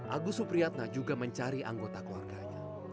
agus supriyatna juga mencari anggota keluarganya